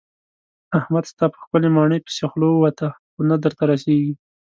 احمد ستا په ښکلې ماڼۍ پسې خوله ووته خو نه درته رسېږي.